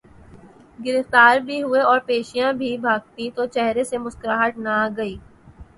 گرفتار بھی ہوئے اورپیشیاں بھی بھگتیں تو چہرے سے مسکراہٹ نہ گئی۔